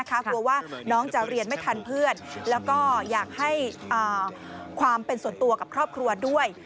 กลัวว่าน้องจะเรียนไม่ทันเพื่อนแล้วก็อยากให้ความเป็นส่วนตัวกับครอบครัวด้วย